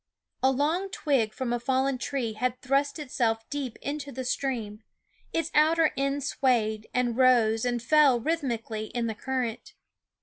A long twig from a fallen tree had thrust itself deep into the stream ; its outer end swayed, and rose and fell rhythmically in the current.